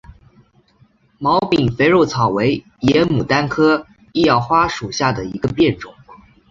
毛柄肥肉草为野牡丹科异药花属下的一个变种。